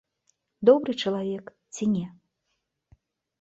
Добры чалавек ці не?